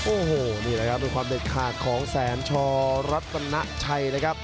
โอ้โหนี่แหละครับเป็นความเด็ดขาดของแสนชอรัตนชัยนะครับ